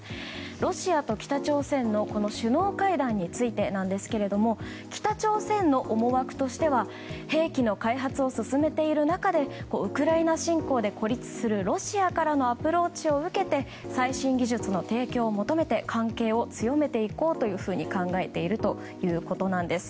ロシアと北朝鮮の首脳会談についてなんですが北朝鮮の思惑としては兵器の開発を進めている中でウクライナ侵攻で孤立するロシアからのアプローチを受けて最新技術の提供を求めて関係を強めていこうというふうに考えているということなんです。